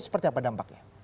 seperti apa dampaknya